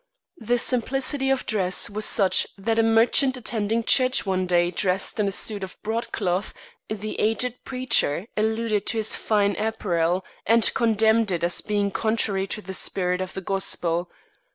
The simplicity of dress was such that a merchant attending church one day dressed in a suit of broadcloth, the aged preacher alluded to his "fine apparel," and condemned it as being contrary to the spirit of the Gospel.